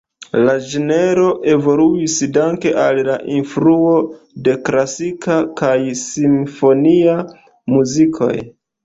La ĝenro evoluis danke al la influo de klasika kaj simfonia muzikoj.